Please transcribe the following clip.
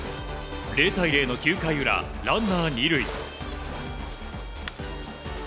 ０対０の９回裏ランナー２塁。